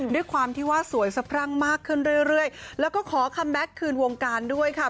ด้วยความที่ว่าสวยสะพรั่งมากขึ้นเรื่อยแล้วก็ขอคัมแก๊กคืนวงการด้วยค่ะ